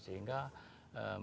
sehingga mereka jangan selesai